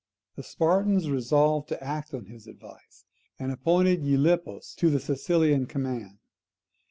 The Spartans resolved to act on his advice, and appointed Gylippus to the Sicilian command.